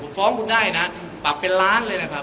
ฟ้องคุณได้นะปรับเป็นล้านเลยนะครับ